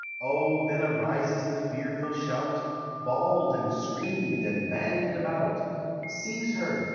Oh! then arises the fearful shout Bawl'd and scream'd, and bandied about "Seize her!